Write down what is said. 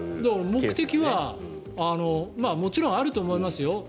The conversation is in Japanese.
目的はもちろんあると思いますよ